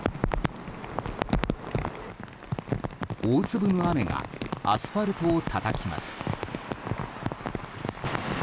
大粒の雨がアスファルトをたたきます。